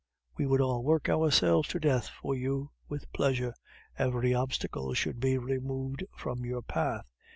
We would all work ourselves to death for you with pleasure; every obstacle should be removed from your path.